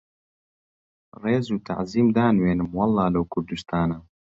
ڕێز و تەعزیم دانوێنم وەڵڵا لەو کوردوستانە